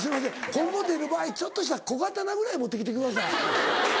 今後出る場合ちょっとした小刀ぐらい持ってきてください。